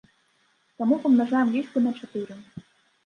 Таму памнажаем лічбы на чатыры.